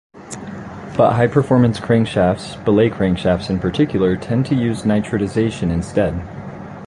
But high performance crankshafts, billet crankshafts in particular, tend to use nitridization instead.